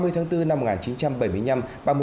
ba mươi tháng bốn năm một nghìn chín trăm bảy mươi năm